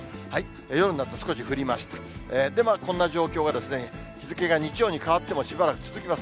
夜になって少し降りまして、で、こんな状況が日付が日曜に変わってもしばらく続きます。